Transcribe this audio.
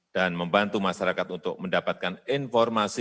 dan membantu masyarakat untuk mendapatkan informasi